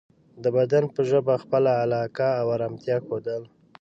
د بدن په ژبه خپله علاقه او ارامتیا ښودل